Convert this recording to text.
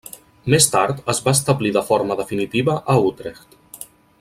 Més tard es va establir de forma definitiva a Utrecht.